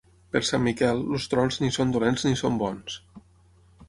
Per Sant Miquel, els trons ni són dolents ni són bons.